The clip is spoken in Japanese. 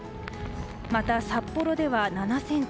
また札幌では７ｃｍ